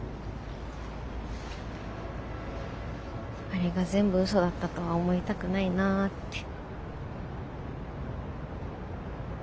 あれが全部嘘だったとは思いたくないなぁって。